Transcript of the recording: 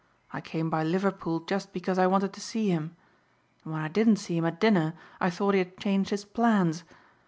I came by Liverpool just because I wanted to see him; and when I didn't see him at dinner I thought he had changed his plans.